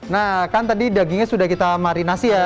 nah kan tadi dagingnya sudah kita marinasi ya